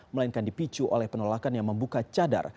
melainkan dipicu oleh penolakan yang membuka cadar